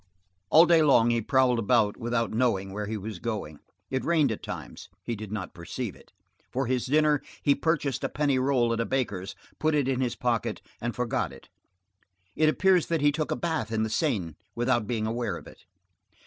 All day long he prowled about, without knowing where he was going; it rained at times, he did not perceive it; for his dinner, he purchased a penny roll at a baker's, put it in his pocket and forgot it. It appears that he took a bath in the Seine without being aware of it.